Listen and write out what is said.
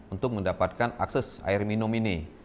untuk mendapatkan akses air minum ini